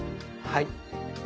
はい。